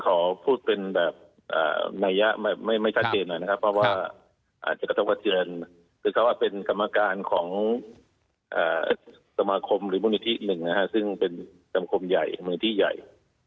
ซึ่งเป็นสำคมใหญ่บุญที่ใหญ่